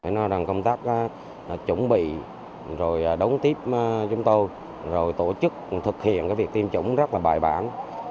nói rằng công tác chuẩn bị đống tiếp chúng tôi tổ chức thực hiện việc tiêm chủng rất bài bản